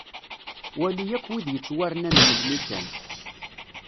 Wali akk wid yettwarnan melmi kan.